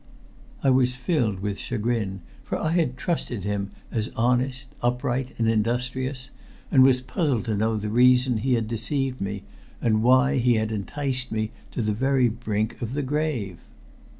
I was filled with chagrin, for I had trusted him as honest, upright, and industrious; and was puzzled to know the reason he had deceived me, and why he had enticed me to the very brink of the grave.